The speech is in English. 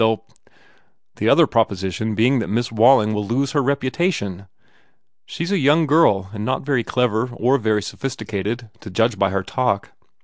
They ll " "The other proposition being that Miss Wall ing will lose her reputation? She s a young girl and not very clever or very sophisticated, to judge by her talk.